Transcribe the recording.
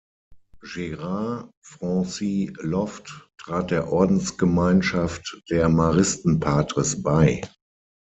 Gerard Francis Loft trat der Ordensgemeinschaft der Maristenpatres bei.